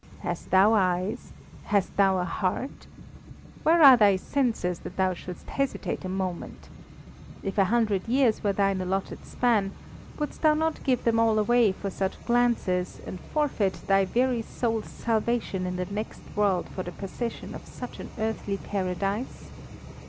Hast thou eyes? Hast thou a heart? Where are thy senses that thou shouldst hesitate a moment? If a hundred years were thine allotted span wouldst thou not give them all away for such glances, and forfeit thy very soul's salvation in the next world for the possession of such an earthly paradise?